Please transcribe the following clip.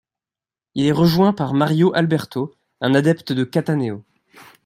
Il est rejoint par Mario Alberto, un adepte de Cattaneo.